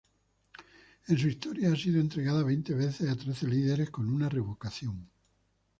En su historia ha sido entregada veinte veces a trece líderes, con una revocación.